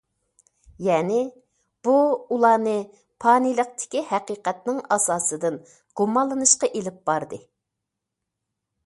يەنى، بۇ ئۇلارنى پانىيلىقتىكى ھەقىقەتنىڭ ئاساسىدىن گۇمانلىنىشقا ئېلىپ باردى.